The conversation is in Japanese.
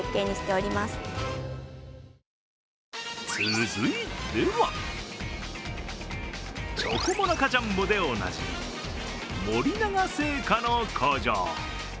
続いてはチョコモナカジャンボでおなじみ、森永製菓の工場。